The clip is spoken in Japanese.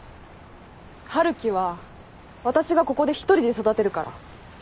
春樹は私がここで１人で育てるから。